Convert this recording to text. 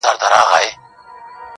• د درد د كړاوونو زنده گۍ كي يو غمى دی.